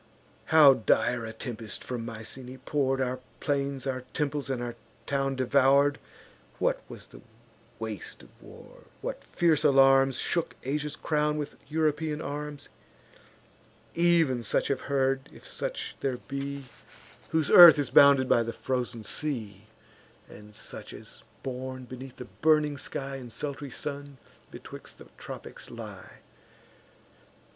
How dire a tempest, from Mycenae pour'd, Our plains, our temples, and our town devour'd; What was the waste of war, what fierce alarms Shook Asia's crown with European arms; Ev'n such have heard, if any such there be, Whose earth is bounded by the frozen sea; And such as, born beneath the burning sky And sultry sun, betwixt the tropics lie.